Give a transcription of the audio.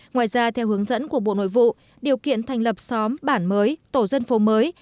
ngoài ra theo hướng dẫn của bộ nội vụ điều kiện thành lập xóm bản mới tổ dân phố mới